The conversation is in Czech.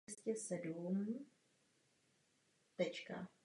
Byl to skvělý začátek budoucí spolupráce a budoucích jednání.